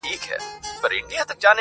نو پیغام تر ښکلا مهم دی -